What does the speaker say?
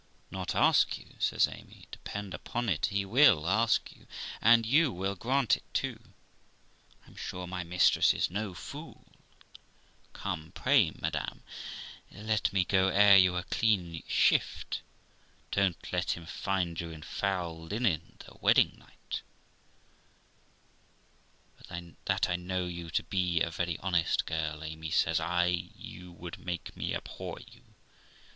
' Not ask you !' says Amy. ' Depend upon it, he will ask you and you will grant it too. I am sure my mistress is no fool. Come, pray, madam, let me go air you a clean shift; don't let him find you in foul linen the wed ding night,' But that I know you to be a very honest girl, Amy', says I, 'you would make me abhor you.